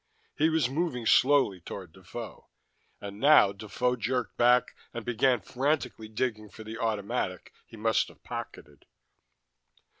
He was moving slowly toward Defoe. And now Defoe jerked back and began frantically digging for the automatic he must have pocketed.